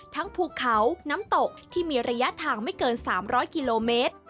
ภูเขาน้ำตกที่มีระยะทางไม่เกิน๓๐๐กิโลเมตร